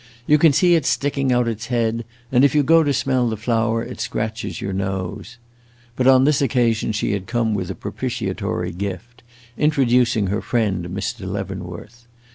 "You can see it sticking out its head, and, if you go to smell the flower, it scratches your nose." But on this occasion she had come with a propitiatory gift introducing her friend Mr. Leavenworth.